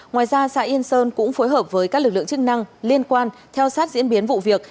ngoài ra xã yên sơn cũng phối hợp với các lực lượng chức năng liên quan theo sát diễn biến vụ việc